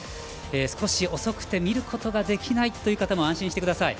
少し遅くて見ることができないという方も安心してください。